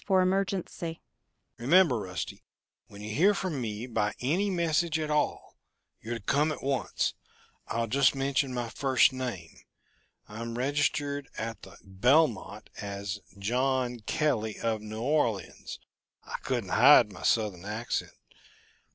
"Remember, Rusty, when you hear from me by any message at all, you're to come at once, I'll just mention my first name. I'm registered at the Belmont as John Kelly of New Orleans I couldn't hide my Southern accent.